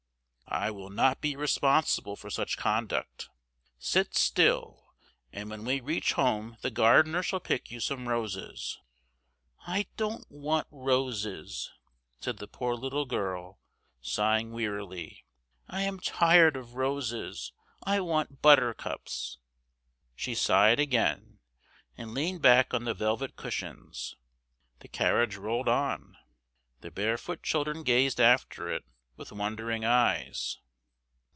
I will not be responsible for such conduct. Sit still, and when we reach home the gardener shall pick you some roses." "I don't want roses!" said the poor little girl, sighing wearily. "I am tired of roses. I want buttercups!" She sighed again, and leaned back on the velvet cushions; the carriage rolled on. The barefoot children gazed after it with wondering eyes.